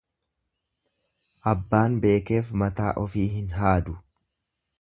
Abbaan beekeef mataa ofii hin haadu.